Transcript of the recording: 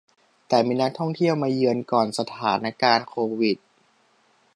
แต่มีนักท่องเที่ยวมาเยือนก่อนสถานการณ์โควิด